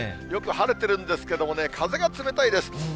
よく晴れてるんですけどもね、風が冷たいです。